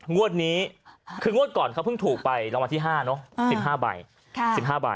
งวดนี้คืองวดก่อนเขาเพิ่งถูกไปรางวัลที่๕เนอะ๑๕ใบ๑๕ใบ